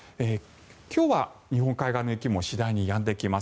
今日は日本海側の雪も次第にやんでいきます。